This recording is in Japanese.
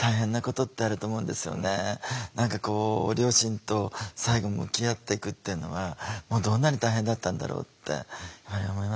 何かこう両親と最後向き合っていくっていうのはどんなに大変だったんだろうって思いますね。